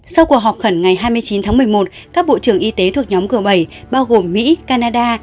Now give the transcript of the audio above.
sau cuộc họp khẩn ngày hai mươi chín tháng một mươi một các bộ trưởng y tế thuộc nhóm g bảy bao gồm mỹ canada